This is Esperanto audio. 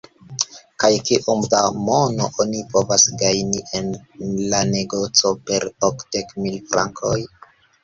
kaj kiom da mono oni povas gajni en la negoco per okdek mil frankoj?